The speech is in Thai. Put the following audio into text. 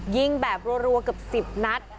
ยิงแบบรัวเกือบ๑๐นัด